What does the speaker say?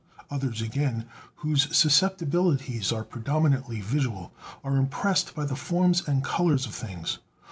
Others again, whose susceptibilities are predominantly visual, are impressed by the forms and colors of things.